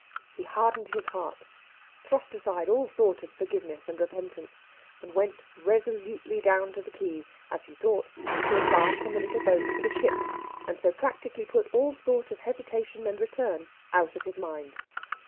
He hardened his heart, thrust aside all thought of forgiveness and repentance, and went resolutely down to the quay, as he thought, to embark on the little boat for the ship, and so practically put all thought of hesitation and return out of his mind.